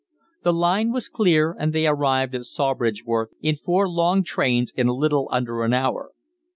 The line was clear, and they arrived at Sawbridgeworth in four long trains in a little under an hour.